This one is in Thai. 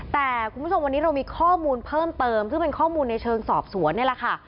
แต่คุณผู้ชมวันนี้เรามีข้อมูลเพิ่มเติมซึ่งเป็นข้อมูลในเชิงสอบสวนนี่แหละค่ะ